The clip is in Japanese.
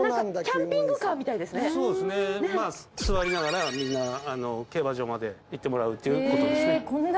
そうですね座りながらみんな競馬場まで行ってもらうっていうことですね。